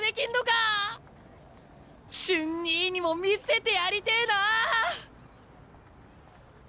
瞬兄にも見せてやりてえなあ！